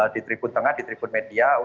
di tribun tengah di tribun media